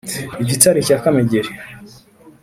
i gitare cya kamegeri